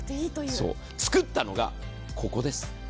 つくったのがここです。